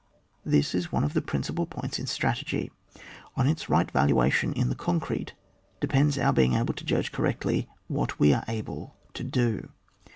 This is one of the principal points in strategy : on its right valuation in the concrete, depends our being able to judge correctly what we are able to do.